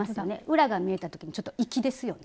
裏が見えたときにちょっと粋ですよね。